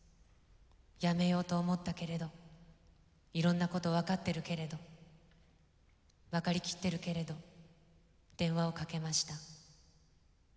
やめようと思ったけれどいろんなことわかってるけれどわかりきってるけれど電話をかけました。